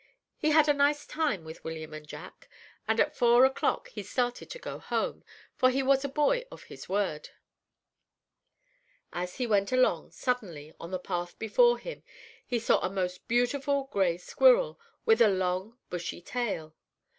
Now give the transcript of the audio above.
He had a nice time with William and Jack, and at four o'clock he started to go home; for he was a boy of his word. "As he went along, suddenly, on the path before him, he saw a most beautiful gray squirrel, with a long bushy tail.